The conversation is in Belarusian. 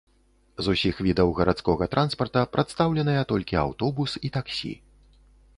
З усіх відаў гарадскога транспарта прадстаўленыя толькі аўтобус і таксі.